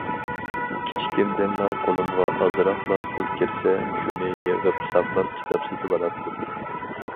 كىچىكىمدىنلا قولۇمغا ئازراقلا پۇل كىرسە، شۇنى يىغىپ ساقلاپ كىتاب سېتىۋالاتتىم.